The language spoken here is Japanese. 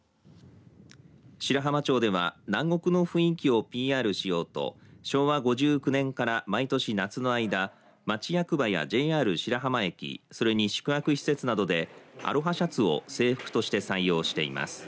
白浜町では南国の雰囲気をＰＲしようと昭和５９年から毎年夏の間町役場やＪＲ白浜駅それに宿泊施設などでアロハシャツを制服として採用しています。